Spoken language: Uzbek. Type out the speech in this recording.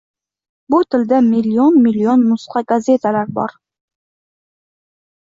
Bu tilda million-million nusxa gazetalar bor.